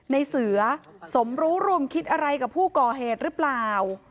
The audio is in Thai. ในเสือสมรู้ร่วมคิดอะไรกับผู้ก่อเหตุหรือเปล่า